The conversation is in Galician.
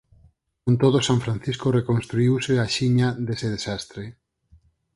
Con todo San Francisco reconstruíuse axiña dese desastre.